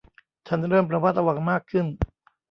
ฉันเริ่มระมัดระวังมากขึ้น